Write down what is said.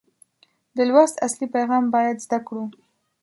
د لوست اصلي پیغام باید زده کړو.